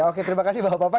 oke terima kasih bang papa